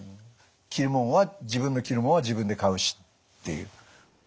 着るもんは自分の着るもんは自分で買うしっていう。